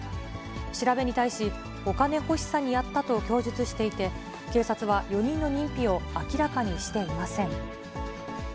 調べに対し、お金欲しさにやったと供述していて、警察は４人の認否を明らかにしていません。